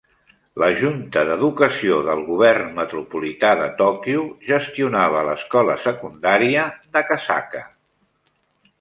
La Junta d'Educació del Govern Metropolità de Tòquio gestionava l'escola secundària d'Akasaka.